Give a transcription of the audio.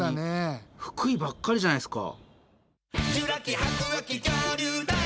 「フクイ」ばっかりじゃないですか。